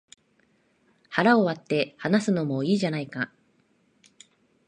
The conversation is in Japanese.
腹を割って話すのもいいじゃないか